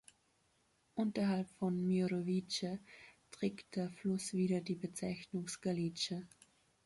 Unterhalb von Mirovice trägt der Fluss wieder die Bezeichnung Skalice.